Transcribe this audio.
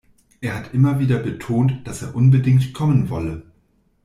Er hat immer wieder betont, dass er unbedingt kommen wolle.